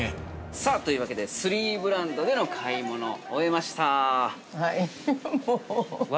◆さあ、というわけで、３ブランドでの買い物を終えました。笑